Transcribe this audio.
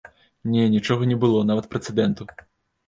Не, нічога не было, нават прэцэдэнту.